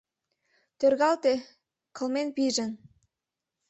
— Тӧргалте, кылмен пижын!